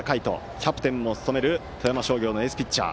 キャプテンも務める富山商業のエースピッチャー。